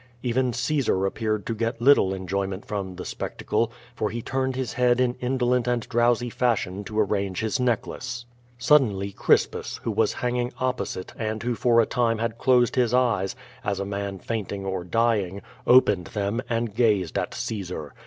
Even Caesar appeared to get little enjoyment from the spectacle, for he turned his head in indolent and drowsy fashion to arrange his necklace. Suddenly Crispus, who was hanging opposite, and who for a time had closed his eyes, as a man fainting or dying, opened them and gazed at Caesar.